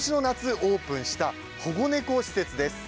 オープンした保護猫施設です。